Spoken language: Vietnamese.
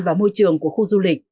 và môi trường của khu du lịch